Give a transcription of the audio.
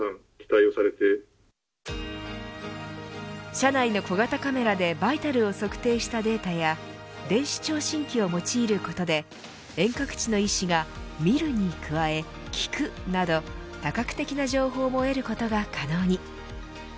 車内の小型カメラでバイタルを測定したデータや電子聴診器を用いることで遠隔地の医師が、見るに加え聞くなど多角的な情報も得ることが可能に。